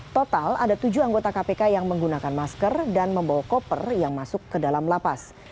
total ada tujuh anggota kpk yang menggunakan masker dan membawa koper yang masuk ke dalam lapas